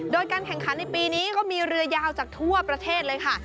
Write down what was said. โดยการแข่งขันในปีนี้ก็มีเรือยาวจากทั่วประเทศเลยค่ะ